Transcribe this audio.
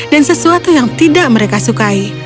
dan sesuatu yang tidak mereka sukai